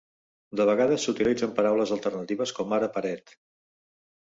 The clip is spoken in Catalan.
De vegades s'utilitzen paraules alternatives, com ara "paret".